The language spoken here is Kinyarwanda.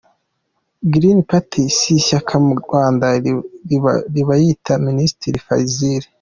Gurini Pati si ishyaka mu Rwanda rirabyiyita – Minisitiri Fazili